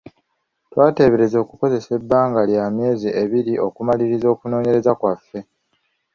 Twateebereza okukozesa ebbanga lya myezi ebiri okumaliriza okunoonyereza kwaffe.